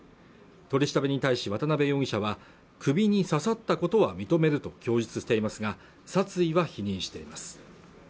取り調べに対し渡辺容疑者は首に刺さったことは認めると供述していますが殺意は否認しています